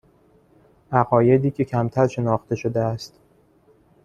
عقایدی که کمتر شناخته شده است